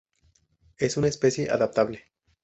Es una especie adaptable.